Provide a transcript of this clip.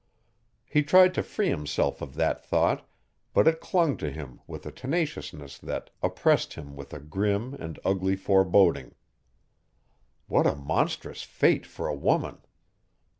He tried to free himself of that thought, but it clung to him with a tenaciousness that oppressed him with a grim and ugly foreboding. What a monstrous fate for a woman!